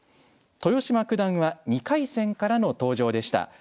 豊島九段は２回戦からの登場でした。